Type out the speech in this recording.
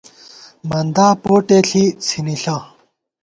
مندا پوٹےݪی څھِنِݪہ